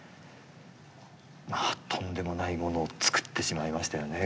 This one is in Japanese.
まあとんでもないものを作ってしまいましたよね